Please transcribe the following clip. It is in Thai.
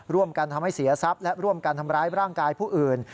ทำให้เสียทรัพย์และร่วมกันทำร้ายร่างกายผู้อื่น